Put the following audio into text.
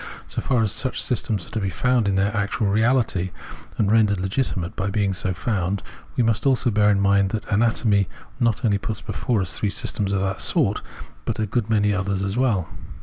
So far as such systems are to be found in their actual reahty and rendered legitimate by being so found, we must also bear in mind that anatomy not only puts before us Observation of Organic Nature 265 three systems of that sort, but a good many others as well.